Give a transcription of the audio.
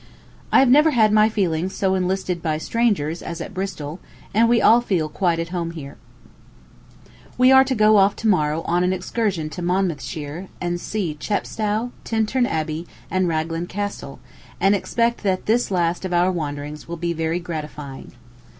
I have never had my feelings so enlisted by strangers as at Bristol; and we all feel quite at home here. We are to go off to morrow on an excursion to Monmouthshire, and see Chepstow, Tintern Abbey, and Ragland Castle, and expect that this last of our wanderings will be very gratifying.